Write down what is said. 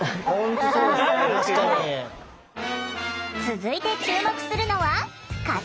続いて注目するのは形。